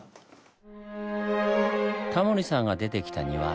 タモリさんが出てきた庭。